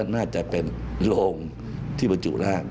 น่าจะเป็นโรงที่บรรจุร่าง